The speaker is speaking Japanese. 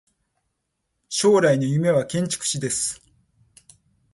将来の夢は建築士です。